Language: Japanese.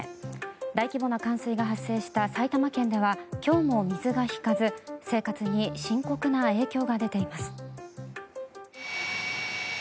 大規模な冠水が発生した埼玉県では、今日も水が引かず生活に深刻な影響が出ています。